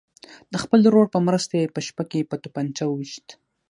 د خپل ورور په مرسته یې په شپه کې په توپنچه ویشت.